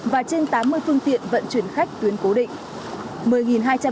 và trên tám mươi phương tiện vận chuyển khách tuyến cố định